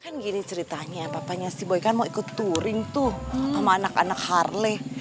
kan gini ceritanya papanya si boy kan mau ikut touring tuh sama anak anak harley